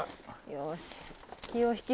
よし。